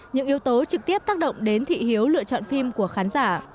những yếu tố trực tiếp tác động đến thị hiếu lựa chọn phim của khán giả